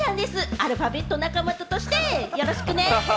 アルファベット仲間としてよろしくね。